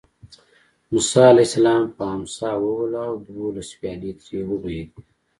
موسی علیه السلام په امسا ووهله او دولس ویالې ترې وبهېدې.